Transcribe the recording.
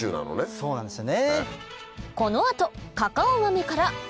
そうなんですよね。